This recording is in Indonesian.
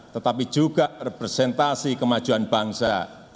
tetapi juga representasi kemajuan bangsa